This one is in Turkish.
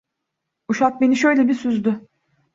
Uşak beni şöyle bir süzdü: